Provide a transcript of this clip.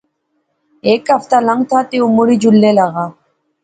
ہیک ہفتہ لنگتھا تہ او مڑی جلنے لاغا